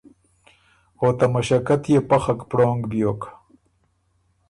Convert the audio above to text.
او ته مݭقت يې پخک پړونګ بیوک۔